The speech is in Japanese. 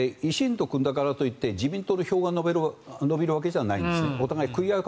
維新と組んだからと言って自民党の票が伸びるわけではない。